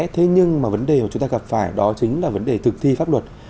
thế nhưng mà vấn đề mà chúng ta gặp phải đó chính là vấn đề thực thi pháp luật